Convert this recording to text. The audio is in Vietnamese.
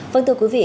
vâng thưa quý vị